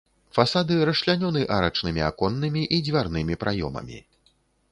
Фасады расчлянёны арачнымі аконнымі і дзвярнымі праёмамі.